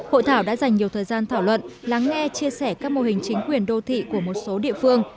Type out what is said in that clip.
hội thảo đã dành nhiều thời gian thảo luận lắng nghe chia sẻ các mô hình chính quyền đô thị của một số địa phương